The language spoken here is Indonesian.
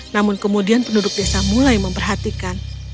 namun kemudian penduduk desa mulai memperhatikan